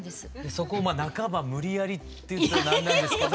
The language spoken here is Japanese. そこを半ば無理やりっていうと何なんですけど。